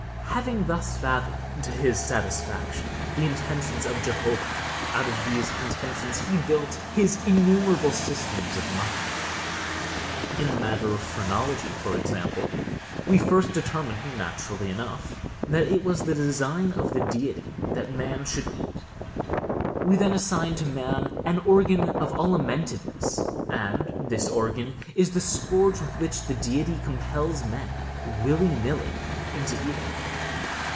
Having thus fathomed, to his satisfaction, the intentions of Jehovah, out of these intentions he built his innumerable systems of mind. In the matter of phrenology, for example, we first determined, naturally enough, that it was the design of the Deity that man should eat. We then assigned to man an organ of alimentiveness, and this organ is the scourge with which the Deity compels man, will I nill I, into eating.